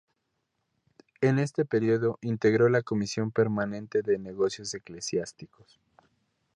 En este período integró la Comisión Permanente de Negocios Eclesiásticos.